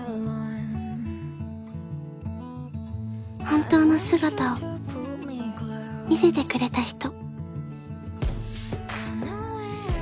本当の姿を見せてくれた人